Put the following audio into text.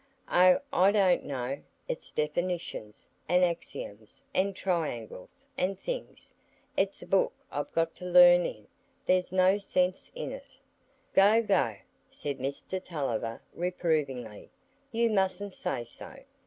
"Oh, I don't know; it's definitions, and axioms, and triangles, and things. It's a book I've got to learn in—there's no sense in it." "Go, go!" said Mr Tulliver, reprovingly; "you mustn't say so.